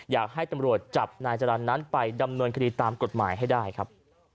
อยากให้ตำรวจจับนายจรรย์นั้นไปดำเนินคดีตามกฎหมายให้ได้ครับ